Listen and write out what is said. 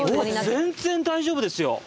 全然大丈夫ですよ。